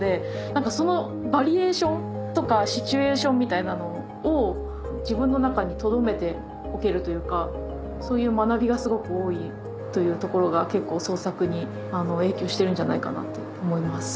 何かそのバリエーションとかシチュエーションみたいなのを自分の中にとどめておけるというかそういう学びがすごく多いというところが結構創作に影響してるんじゃないかなって思います。